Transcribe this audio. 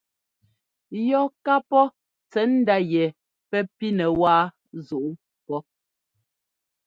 Yɔ ká pɔ́ tsɛ̌ndá yɛ pɛ́ pínɛ wáa zuꞌú pɔ́.